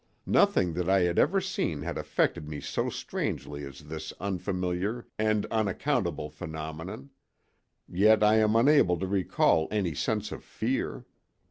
"Nothing that I had ever seen had affected me so strangely as this unfamiliar and unaccountable phenomenon, yet I am unable to recall any sense of fear.